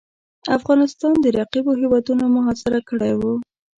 افغانستان د رقیبو هیوادونو محاصره کړی وو.